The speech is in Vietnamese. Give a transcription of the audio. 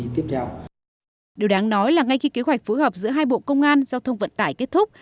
kế hoạch phối hợp giữa hai bộ công an giao thông vận tải kết thúc